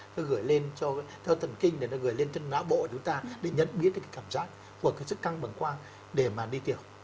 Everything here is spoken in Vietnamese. nó gửi lên cho thần kinh nó gửi lên cho ná bộ chúng ta để nhận biết cái cảm giác của cái sức căng bầng quang để mà đi tiểu